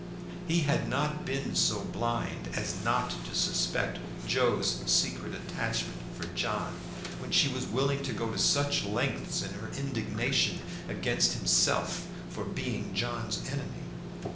He had not been so blind as not to suspect Joe's secret attachment for John, when she was willing to go to such lengths in her indignation against himself for being John's enemy.